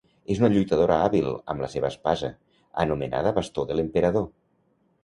És una lluitadora hàbil amb la seva espasa, anomenada "Bastó de l'Emperador".